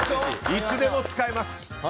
いつでも使えます。